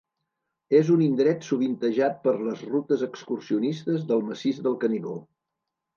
És un indret sovintejat per les rutes excursionistes del Massís del Canigó.